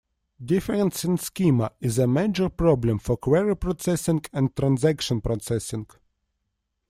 Difference in schema is a major problem for query processing and transaction processing.